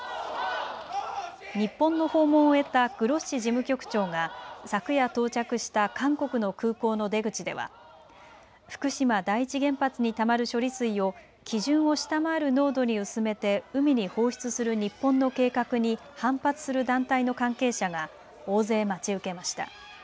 日本の訪問を終えたグロッシ事務局長が昨夜到着した韓国の空港の出口では福島第一原発にたまる処理水を基準を下回る濃度に薄めて海に放出する日本の計画に反発する団体の関係者が大勢待ち受けました。